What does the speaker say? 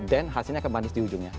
dan hasilnya akan manis di ujungnya